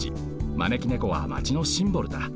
まねきねこはマチのシンボルだ。